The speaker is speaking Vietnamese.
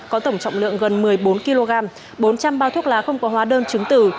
có tổng trọng lượng gần một mươi bốn kg bốn trăm linh bao thuốc lá không có hóa đơn chứng tử